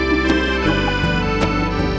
putih anak ayam